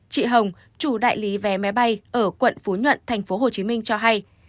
chị hồng chủ đại lý vé máy bay ở quận phú nhuận tp hcm cho hay